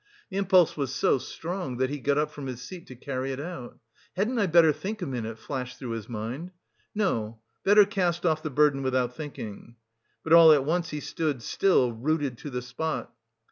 The impulse was so strong that he got up from his seat to carry it out. "Hadn't I better think a minute?" flashed through his mind. "No, better cast off the burden without thinking." But all at once he stood still, rooted to the spot.